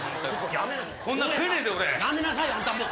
やめなさいあんたもう！